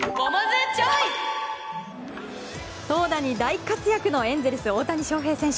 投打に大活躍のエンゼルス、大谷翔平選手。